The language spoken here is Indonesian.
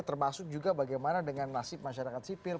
termasuk juga bagaimana dengan nasib masyarakat sipil